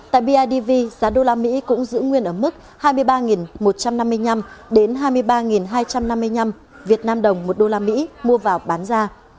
tại bidv giá đô la mỹ cũng giữ nguyên ở mức hai mươi ba một trăm năm mươi năm đến hai mươi ba hai trăm năm mươi năm vnđ một đô la mỹ mua vào bán ra